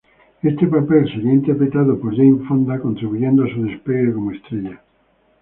Este papel sería interpretado por Jane Fonda, contribuyendo a su despegue como estrella.